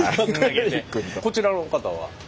こちらの方は？